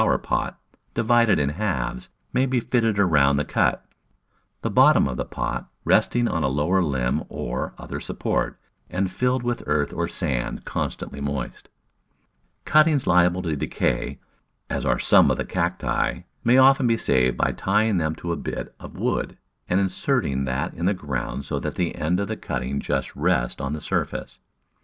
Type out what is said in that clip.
w Digitized by Google Digitized by Google Seven] Cratt0platlt(ttg 6l flower pot, divided in halves, may be fitted around the cut, the bottom of the pot resting on a lower limb or other support, and filled with earth or sand kept constantly moist. Cuttings liable to decay, as are some of the Cacti, may often be saved by tying them to a bit of wood and inserting that in the ground so that the end of the cutting just rests on the surface.